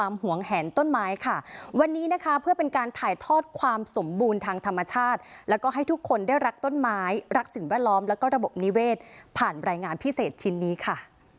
และให้ทุกคนได้รักต้นไม้รักสินแวดล้อมและระบบนิเวศผ่านรายงานพิเศษชิ้นนี้ค่ะ